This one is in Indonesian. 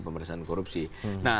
perlawanan terhadap komisi pemerintahan